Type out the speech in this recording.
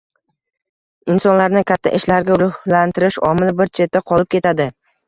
— insonlarni katta ishlarga ruhlantirish omili bir chetda qolib ketadi.